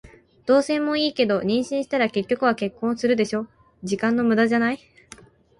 同棲もいいけど、妊娠したら結局は結婚するでしょ。時間の無駄じゃない？